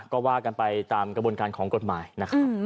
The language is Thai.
ก็ว่ากันไปตามกระบวนการของกฎหมายนะครับ